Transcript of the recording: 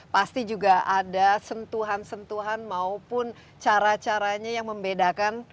pasti juga ada sentuhan sentuhan maupun cara caranya yang membedakan